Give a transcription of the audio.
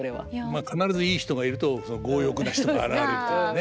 まあ必ずいい人がいると強欲な人が現れるというね。